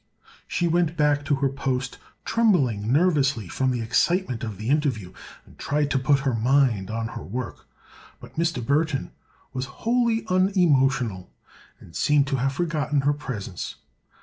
She went back to her post, trembling nervously from the excitement of the interview, and tried to put her mind on her work. Mr. Burthon was wholly unemotional and seemed to have forgotten her presence.